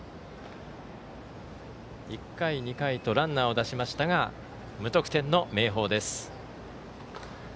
１回、２回とランナーを出しましたが無得点の明豊です。